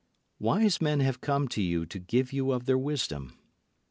Wise men have come to you to give you of their wisdom.